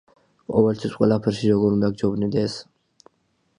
ყოველთვის, ყველაფერში როგორ უნდა გჯობნიდეს?